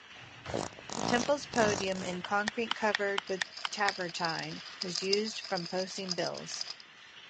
The temple's podium, in concrete covered with travertine, was used for posting bills.